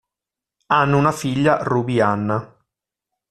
Hanno una figlia, Ruby Anna.